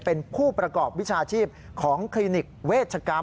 เป็นผู้ประกอบวิชาชีพของคลินิกเวชกรรม